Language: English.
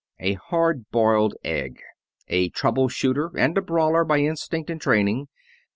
A hard boiled egg. A trouble shooter and a brawler by instinct and training.